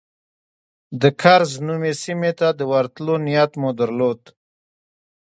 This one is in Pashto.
د کرز نومي سیمې ته د ورتلو نیت مو درلود.